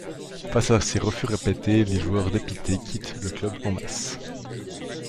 Face à ces refus répétés, les joueurs, dépités, quittent le club en masse.